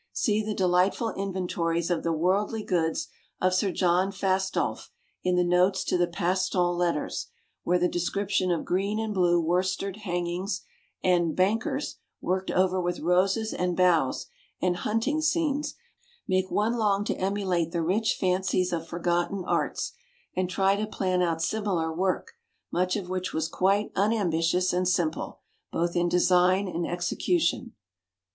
See the delightful inventories of the worldly goods of Sir John Fastolf in the notes to the Paston Letters, where the description of green and blue worsted hangings, and "bankers" worked over with roses and boughs, and hunting scenes, make one long to emulate the rich fancies of forgotten arts, and try to plan out similar work, much of which was quite unambitious and simple, both in design and execution.